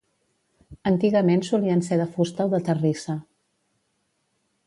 Antigament solien ser de fusta o de terrissa.